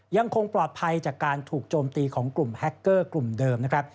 ยังคงปลอดภัยจากการถูกโจมตีของกลุ่มแฮคเกอร์กลุ่มเดิมนะครับ